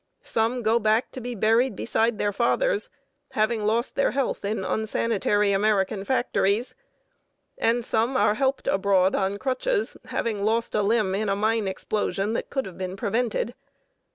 Some go back to be buried beside their fathers, having lost their health in unsanitary American factories. And some are helped aboard on crutches, having lost a limb in a mine explosion that could have been prevented.